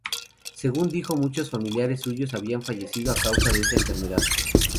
Según dijo, muchos familiares suyos habían fallecido a causa de esa enfermedad.